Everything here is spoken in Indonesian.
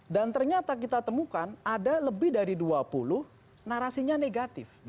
dan ternyata kita temukan ada lebih dari dua puluh narasinya negatif